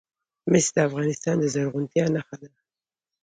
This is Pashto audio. مس د افغانستان د زرغونتیا نښه ده.